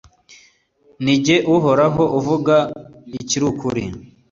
ni jye uhoraho: mvuga ikiri ukuri,